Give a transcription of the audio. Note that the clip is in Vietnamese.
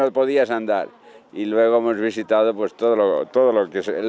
giờ đây đã biến thành phế tích